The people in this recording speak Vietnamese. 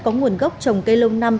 có nguồn gốc trồng cây lông năm